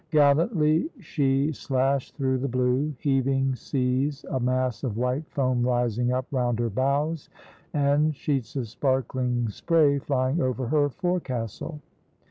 Gallantly she slashed through the blue, heaving seas, a mass of white foam rising up round her bows, and sheets of sparkling spray flying over her forecastle.